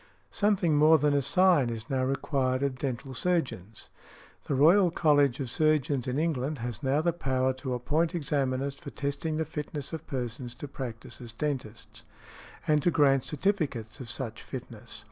Something more than a sign is now required of dental surgeons. The Royal College of Surgeons in England has now the power to appoint examiners for testing the fitness of persons to practise as dentists, and to grant certificates of such fitness.